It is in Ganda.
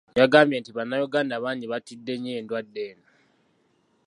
Yagambye nti Bannayuganda bangi batidde nnyo endwadde eno.